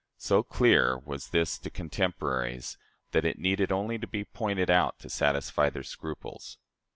So clear was this to contemporaries, that it needed only to be pointed out to satisfy their scruples.